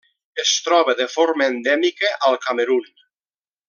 Es troba de forma endèmica al Camerun.